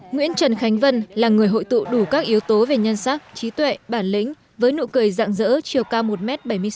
nguyễn trần khánh vân là người hội tụ đủ các yếu tố về nhân sắc trí tuệ bản lĩnh với nụ cười dạng dỡ chiều cao một m bảy mươi sáu